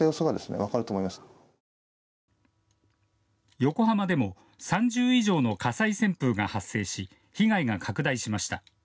横浜でも３０以上の火災旋風が発生し被害が拡大しました。